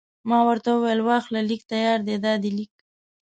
ما ورته وویل: واخله، لیک تیار دی، دا دی لیک.